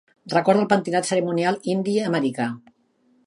Recorda el pentinat cerimonial indi americà.